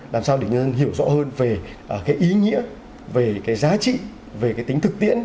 làm sao để nhân dân hiểu rõ hơn về cái ý nghĩa về cái giá trị về cái tính thực tiễn